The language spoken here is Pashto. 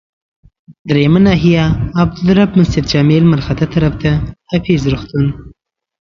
دریمه ناحيه، عبدالرب مسجدجامع لمرخاته طرف، حافظ روغتون.